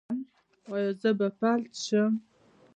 ایا زه به فلج شم؟